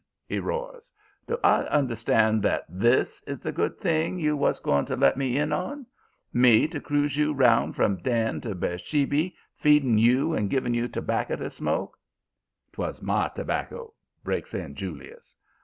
he roars. 'Do I understand that THIS is the good thing you was going to let me in on? Me to cruise you around from Dan to Beersheby, feeding you, and giving you tobacco to smoke ' "''Twas my tobacco,' breaks in Julius.